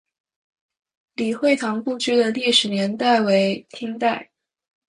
李惠堂故居的历史年代为清代。